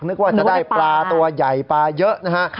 นึกว่าจะได้ปลาตัวใหญ่ปลาเยอะนะฮะ